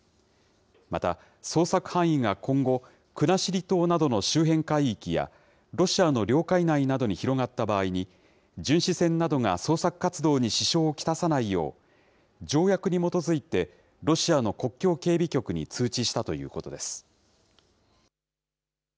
また、捜索範囲が今後、国後島などの周辺海域や、ロシアの領海内などに広がった場合に、巡視船などが捜索活動に支障を来さないよう、条約に基づいて、ロシアの国境警備局に通知したということです。